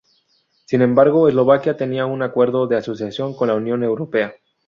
Sin embargo Eslovaquia tenía un Acuerdo de Asociación con la Unión Europea.